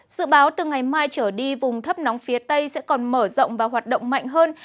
dự báo từ ngày mai trở đi vùng thấp nóng phía tây sẽ còn mở rộng và hoạt động mạnh hơn